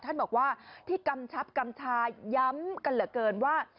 ท่านบอกว่าที่กำชับกำชายย้ำกันเหลือเกินว่า